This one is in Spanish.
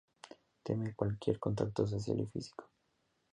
Teme cualquier contacto social y físico.